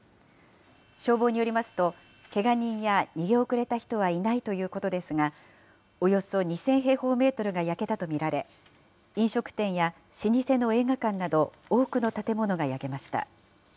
消防によりますと、けが人や逃げ遅れた人はいないということですが、およそ２０００平方メートルが焼けたとみられ、飲食店や老舗の映画館など、多くの建物が焼けました。